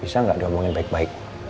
bisa nggak diomongin baik baik